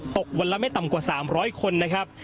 ตกวันละไม่ต่ำกว่า๓๐๐คนนะครับ